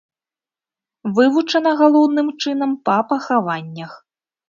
Вывучана галоўным чынам па пахаваннях.